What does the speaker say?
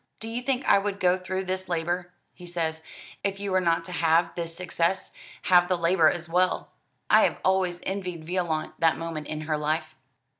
'Do you think I would go through this labour,' he says, 'if you were not to halve this success? Halve the labour as well.' I have always envied Violante that moment in her life."